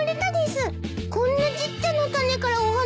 こんなちっちゃな種からお花が咲くですか？